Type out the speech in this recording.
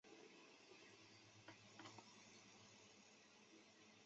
他是北卡罗来纳州体育名人堂的一员。